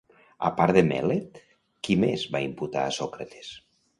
A part de Mèlet, qui més va imputar a Sòcrates?